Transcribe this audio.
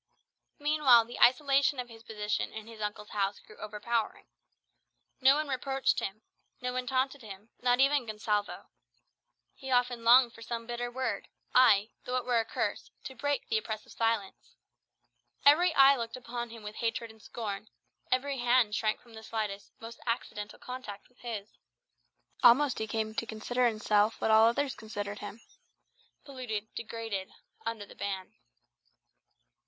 Meanwhile, the isolation of his position in his uncle's house grew overpowering. No one reproached him, no one taunted him, not even Gonsalvo. He often longed for some bitter word, ay, though it were a curse, to break the oppressive silence. Every eye looked upon him with hatred and scorn; every hand shrank from the slightest, most accidental contact with his. Almost he came to consider himself what all others considered him, polluted, degraded under the ban.